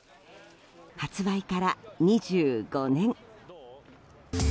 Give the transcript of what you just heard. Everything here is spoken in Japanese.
発売から２５年。